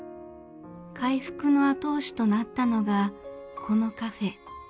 回復の後押しとなったのがこのカフェ。